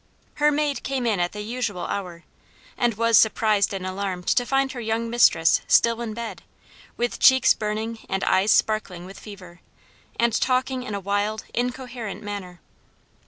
Her maid came in at the usual hour, and was surprised and alarmed to find her young mistress still in bed, with cheeks burning and eyes sparkling with fever, and talking in a wild, incoherent manner.